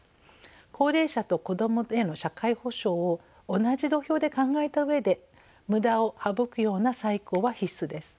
高齢者と子どもへの社会保障を同じ土俵で考えた上で無駄を省くような再考は必須です。